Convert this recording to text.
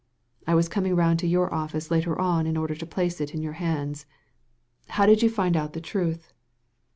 I was coming round to your office later on in order to place it in your hands. How did you find out the truth?"